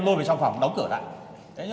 lôi vào trong phòng đóng cửa lại